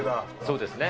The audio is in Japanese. そうですね。